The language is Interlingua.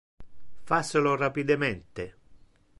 Face lo rapidemente.